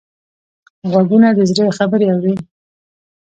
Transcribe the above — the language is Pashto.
غوږونه د زړه خبرې اوري